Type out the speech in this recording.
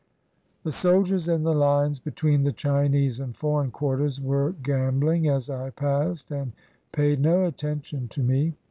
The soldiers in the lines between the Chinese and foreign quarters were gambling as I passed and paid no attention to me.